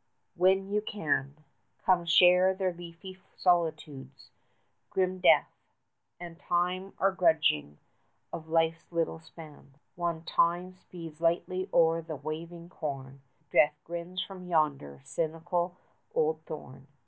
_ When you can, Come share their leafy solitudes. Grim Death And Time are grudging of Life's little span: 70 Wan Time speeds lightly o'er the waving corn, Death grins from yonder cynical old thorn.